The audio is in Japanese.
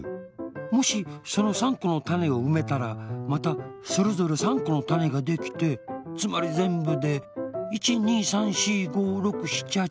もしその３このたねをうめたらまたそれぞれ３このたねができてつまりぜんぶで１２３４５６７８９